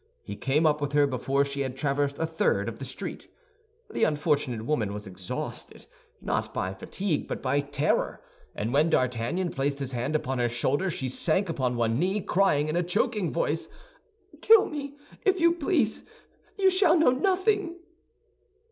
He came up with her before she had traversed a third of the street. The unfortunate woman was exhausted, not by fatigue, but by terror, and when D'Artagnan placed his hand upon her shoulder, she sank upon one knee, crying in a choking voice, "Kill me, if you please, you shall know nothing!"